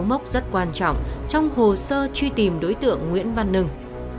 đó là một số mốc rất quan trọng trong hồ sơ truy tìm đối tượng nguyễn văn nưng